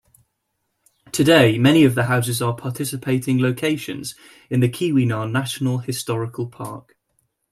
Today, many of the houses are participating locations in the Keweenaw National Historical Park.